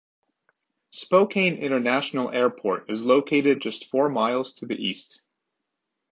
Spokane International Airport is located just four miles to the east.